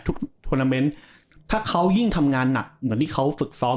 ทวนาเมนต์ถ้าเขายิ่งทำงานหนักเหมือนที่เขาฝึกซ้อม